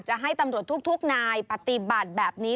จะให้ตำรวจทุกนายปฏิบัติแบบนี้